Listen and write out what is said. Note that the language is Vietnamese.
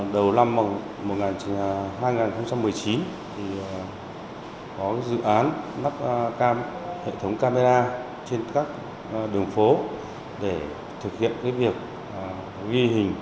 đầu năm hai nghìn một mươi chín có dự án nắp cam hệ thống camera trên các đường phố để thực hiện việc ghi hình